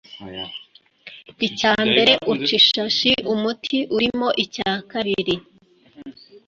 icya mbere uca ishashi umuti urimo, icya kabiri